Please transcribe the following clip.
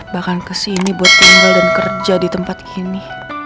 bahkan kesini buat tinggal dan kerja di tempat ini